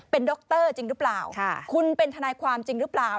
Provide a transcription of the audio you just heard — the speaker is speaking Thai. เป็นดรจริงหรือเปล่าคุณเป็นทนายความจริงหรือเปล่า